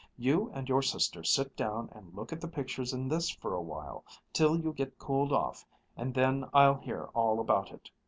"You and your sister sit down and look at the pictures in this for a while, till you get cooled off, and then I'll hear all about it."